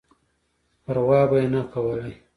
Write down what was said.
پر وا به یې نه کولای.